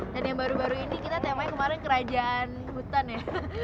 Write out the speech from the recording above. dan yang baru baru ini kita temanya kemarin kerajaan hutan ya